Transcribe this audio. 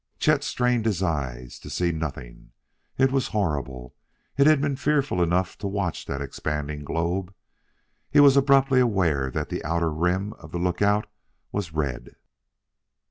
Chet strained his eyes to see nothing! It was horrible. It had been fearful enough to watch that expanding globe.... He was abruptly aware that the outer rim of the lookout was red!